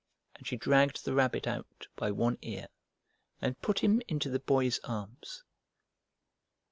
And she dragged the Rabbit out by one ear, and put him into the Boy's arms.